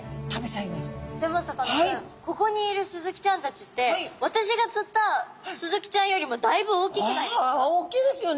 ここにいるスズキちゃんたちって私が釣ったスズキちゃんよりもだいぶ大きくないですか？